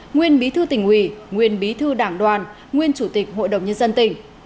nguyên bí thư tỉnh ủy nguyên bí thư đảng đoàn nguyên chủ tịch hội đồng nhân dân tỉnh